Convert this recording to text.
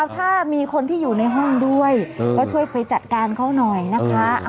ถ้ามีคนที่อยู่ในห้องด้วยก็ช่วยไปจัดการเขาหน่อยนะคะ